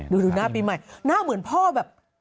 ดูหน้าปีใหม่หน้าเหมือนพ่อแบบ